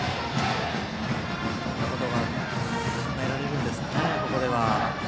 どんなことが考えられるんですかね、ここでは。